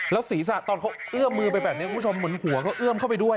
ศีรษะตอนเขาเอื้อมมือไปแบบนี้คุณผู้ชมเหมือนหัวเขาเอื้อมเข้าไปด้วย